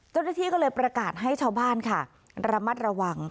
เจ้าหน้าที่ก็เลยประกาศให้ชาวบ้านค่ะระมัดระวัง